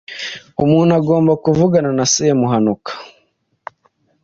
Umuntu agomba kuvugana na Semuhanuka.